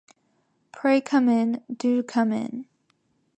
Pray come in; do come in.